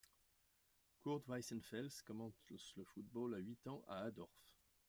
Kurt Weissenfels commence le football à huit ans à Adorf.